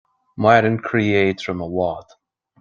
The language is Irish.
Maireann croí éadrom i bhfad